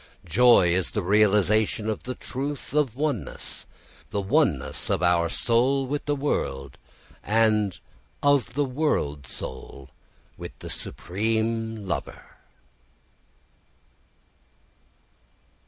Joy is the realisation of the truth of oneness, the oneness of our soul with the world and of the world soul with the supreme lover.